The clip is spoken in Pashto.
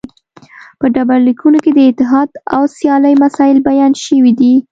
په ډبرلیکونو کې د اتحاد او سیالۍ مسایل بیان شوي دي